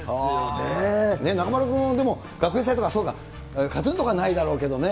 中丸君はでも学園祭とか、そうか、ＫＡＴーＴＵＮとかないだろうけどね。